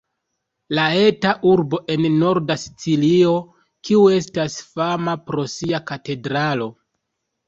La eta urbo en norda Sicilio kiu estas fama pro sia katedralo.